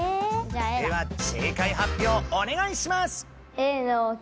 では正解発表お願いします。